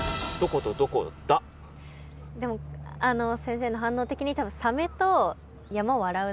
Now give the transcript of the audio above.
でも先生の反応的に多分そのとおり！